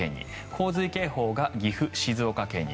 洪水警報が岐阜、静岡県に。